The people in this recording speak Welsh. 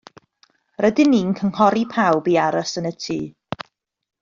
Rydyn ni'n cynghori pawb i aros yn y tŷ.